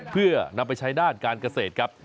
เพื่อนำไปใช้ด้านการเกษตรครับ